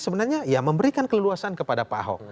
sebenarnya ya memberikan keleluasan kepada pak ahok